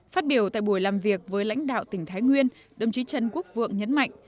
phát biểu tại buổi làm việc với lãnh đạo tỉnh thái nguyên đồng chí trần quốc vượng nhấn mạnh